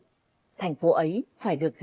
một thành phố vừa được giành lại từ tay kẻ thù